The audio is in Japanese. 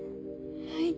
はい。